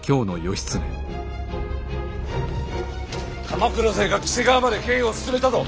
鎌倉勢が黄瀬川まで兵を進めたぞ。